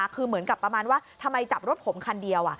คือเหมือนกับประมาณว่าทำไมจับรถผมคันเดียว